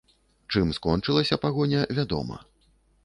Чым скончылася пагоня, вядома.